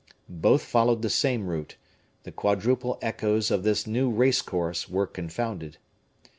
Both followed the same route; the quadruple echoes of this new race course were confounded.